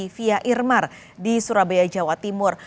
fia irmar di surabaya jawa timur